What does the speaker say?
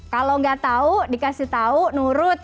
kalau nggak tahu dikasih tahu nurut